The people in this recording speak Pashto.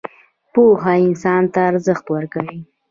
پوهه انسان ته ارزښت ورکوي